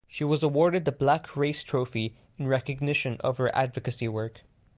She was awarded the Black Race Trophy in recognition of her advocacy work.